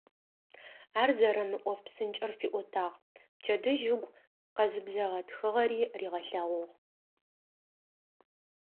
Ар зэрэмыӏоф псынкӏэр фиӏотагъ, пчэдыжь ыгу къэзыбзэгъэ тхыгъэри ригъэлъэгъугъ.